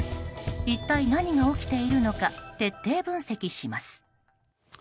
一体、何が起きているのか徹底分析します。